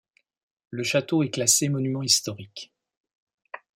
Le château est classé monument historique.